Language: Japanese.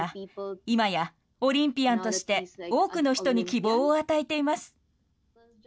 今やオリンピアンとして、多くの人に希望を与えています。